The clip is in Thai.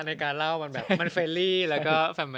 เอ๊ะปู๊ปผิดอีกแหละ